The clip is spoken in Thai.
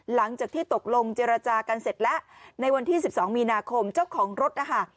หลังจากที่ตกลงเจรจากันเสร็จแล้วในวันที่๑๒มีนาคมเจ้าของรถนะคะ